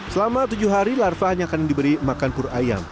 selama tujuh hari larva hanya akan diberi makan pur ayam